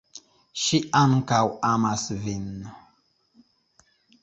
Ŝi ankaŭ amas vin.